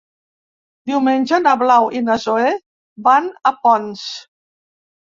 Diumenge na Blau i na Zoè van a Ponts.